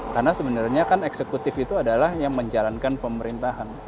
karena sebenarnya kan eksekutif itu adalah yang menjalankan pemerintahan